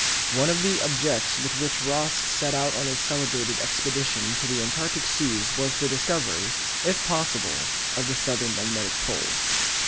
One of the objects with which Ross set out on his celebrated expedition to the Antarctic Seas was the discovery, if possible, of the southern magnetic pole.